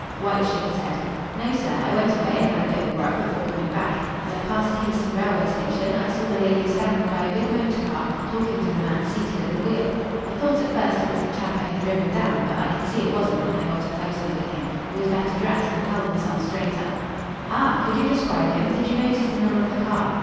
White shook his head. "No, sir. I went away and had a bit of grub before coming back. As I passed Kingston railway station, I saw the lady standing by a big motor car, talking to the man seated at the wheel. I thought at first it was the chap I had driven down, but I could see it wasn't when I got a closer look at him. He was better dressed and held himself straighter." "Ah! Could you describe him? Did you notice the number of the car?"